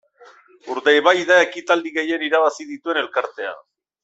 Urdaibai da ekitaldi gehien irabazi dituen elkartea.